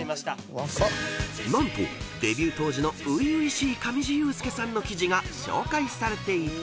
［何とデビュー当時の初々しい上地雄輔さんの記事が紹介されていた］